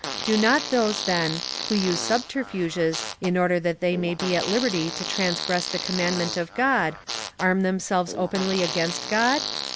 Do not those, then, who use subterfuges,^ in order that they may be at liberty to transgress the commandment of God, arm themselves openly against God